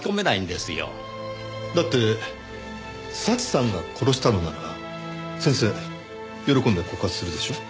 だって祥さんが殺したのなら先生喜んで告発するでしょ？